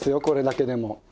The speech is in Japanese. これだけでも。